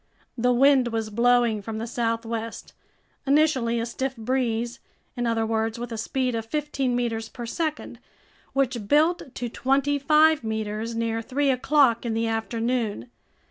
The wind was blowing from the southwest, initially a stiff breeze, in other words, with a speed of fifteen meters per second, which built to twenty five meters near three o'clock in the afternoon.